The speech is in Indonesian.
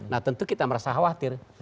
nah tentu kita merasa khawatir